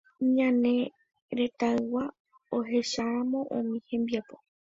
Ñane retãygua ohecharamo umi hembiapo.